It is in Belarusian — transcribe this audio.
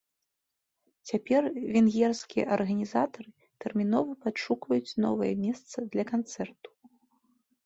Цяпер венгерскія арганізатары тэрмінова падшукваюць новае месца для канцэрту.